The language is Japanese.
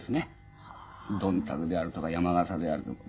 どんたくであるとか山笠であるとか。